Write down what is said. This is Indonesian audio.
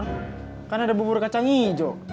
es campur kan ada bubur kacang hijau